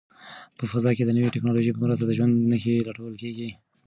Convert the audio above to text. په فضا کې د نوې ټیکنالوژۍ په مرسته د ژوند نښې لټول کیږي.